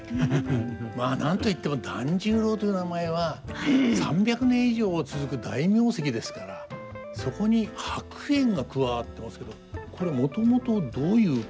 まあ何と言っても團十郎という名前は３００年以上続く大名跡ですからそこに白猿が加わってますけどこれもともとどういうことから始まったんですか？